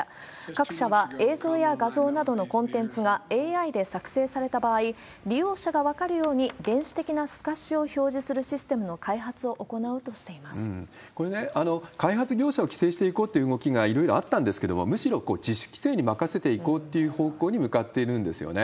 各社は映像や画像などのコンテンツがＡＩで作成された場合、利用者が分かるように電子的な透かしを表示するシステムの開発をこれね、開発業者を規制していこうという動きがいろいろあったんですけれども、むしろ自主規制に任せていこうという方向に向かっているんですよね。